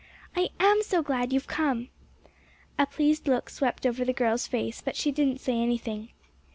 "I am so glad you've come!" A pleased look swept over the girl's face, but she didn't say anything.